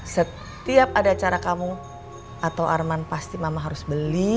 setiap ada cara kamu atau arman pasti mama harus beli